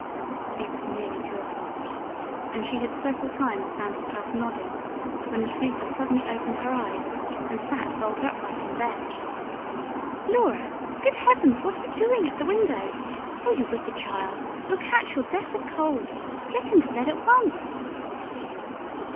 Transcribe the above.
It was nearly two o'clock, and she had several times found herself nodding, when the sleeper suddenly opened her eyes and sat bolt upright in bed. "Laura, good heavens, what are you doing at the window? Oh, you wicked child, you'll catch your death of cold! Get into bed at once."